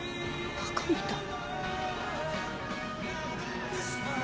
バカみたい。